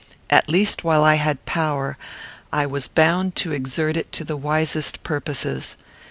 At least while I had power, I was bound to exert it to the wisest purposes.